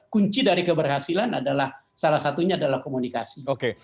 kunci dari keberhasilan adalah salah satunya adalah komunikasi